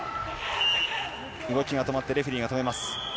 動きが止まってレフェリーが止めます。